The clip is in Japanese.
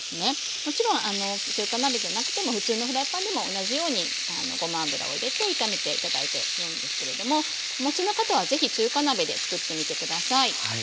もちろん中華鍋じゃなくても普通のフライパンでも同じようにごま油を入れて炒めて頂いてよいですけれどもお持ちの方は是非中華鍋でつくってみて下さい。